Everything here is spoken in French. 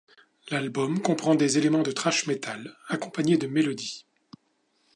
L'album comprend des éléments de thrash metal, accompagnés de mélodies.